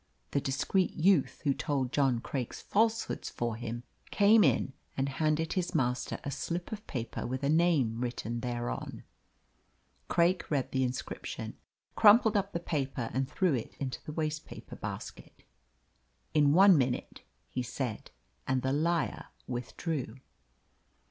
The discreet youth who told John Craik's falsehoods for him came in and handed his master a slip of paper with a name written thereon. Craik read the inscription, crumpled up the paper, and threw it into the waste paper basket. "In one minute," he said, and the liar withdrew.